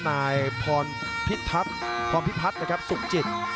นายพรพิพัทสุขจิต